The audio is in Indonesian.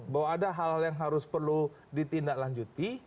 bahwa ada hal hal yang harus perlu ditindaklanjuti